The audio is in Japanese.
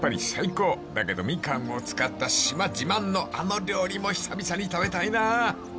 ［だけどみかんを使った島自慢のあの料理も久々に食べたいなあ］